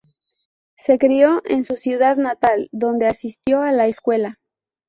Se crio en su ciudad natal, donde asistió a la escuela.